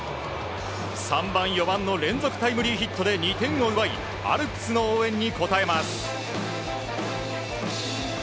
３番、４番のタイムリーヒットで２点を奪いアルプスの応援に応えます。